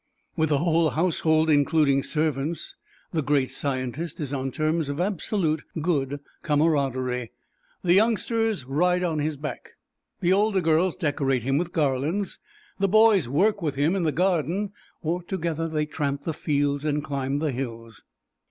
With the whole household, including servants, the great scientist is on terms of absolute good camaraderie. The youngsters ride on his back; the older girls decorate him with garlands; the boys work with him in the garden, or together they tramp the fields and climb the hills.